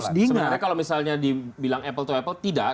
sebenarnya kalau misalnya dibilang apple to apple tidak